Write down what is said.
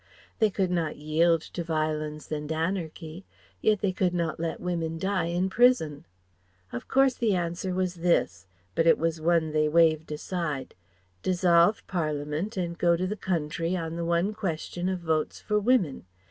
They could not yield to violence and anarchy; yet they could not let women die in prison. Of course the answer was this, but it was one they waved aside: "Dissolve Parliament and go to the Country on the one question of Votes for Women.